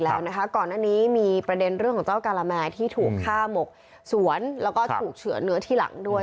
เหมือนกันมีประเด็นเรื่องของแกรมมายที่ถูกฆ่าหมกสวนและถูกเชื่อเนื้อทีหลังด้วย